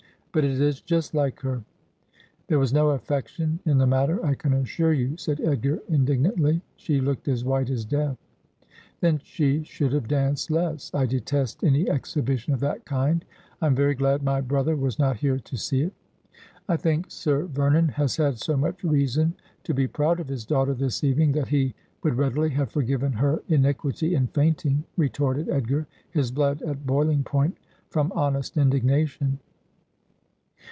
' But it is just like her.' ' There was no afEectation in the matter, I can assure you,' said Edgar indignantly ;' she looked as white as death.' ' Then she should have danced less. I detest any exhibition of that kind. I am very glad my brother was not here to see it.' ' I think Sir Vernon has had so much reason to be proud of his daughter this evening that he would readily have forgiven her iniquity in fainting,' retorted Edgar, his blood at boiling point from honest indignation.